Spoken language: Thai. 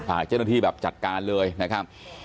อาจจุดหน้าที่จัดการเลยนะครับ